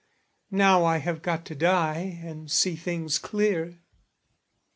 Now I have got to die and see things clear.